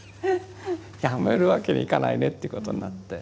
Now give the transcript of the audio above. やめるわけにいかないねということになって。